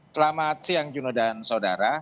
selamat siang juno dan saudara